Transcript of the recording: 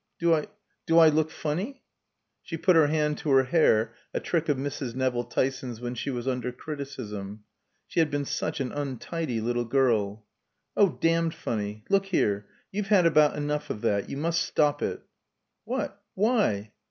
Do I do I look funny?" She put her hand to her hair, a trick of Mrs. Nevill Tyson's when she was under criticism. She had been such an untidy little girl. "Oh, damned funny. Look here. You've had about enough of that. You must stop it." "What! Why?"